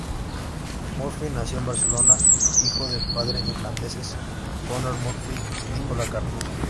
Murphy nació en Barcelona, hijo de padres irlandeses, Conor Murphy y Nicola Carroll.